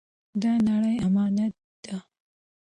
دا نړۍ امانت ده.